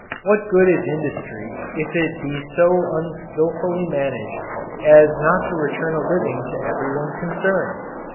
What good is industry if it be so unskillfully managed as not to return a living to everyone concerned?